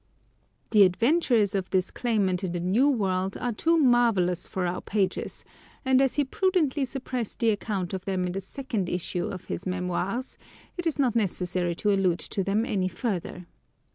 The adventures of this claimant in the New World are too marvellous for our pages; and as he prudently suppressed the account of them in the second issue of his Mémoires, it is not necessary to allude to them any further.